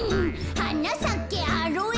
「はなさけアロエ」